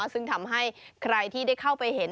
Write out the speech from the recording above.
ซึ่งทำให้ใครที่ได้เข้าไปเห็น